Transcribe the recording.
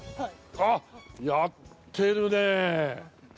あっやってるねえ。